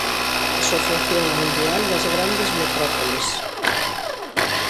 Asociación mundial das grandes metrópoles